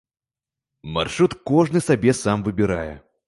Маршрут кожны сабе сам выбірае.